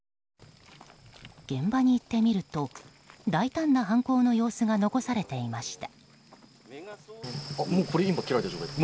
現場に行ってみると大胆な犯行の様子が残されていました。